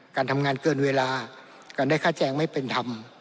การทำงานเกินเวลาการได้ค่าแจงไม่เป็นธรรม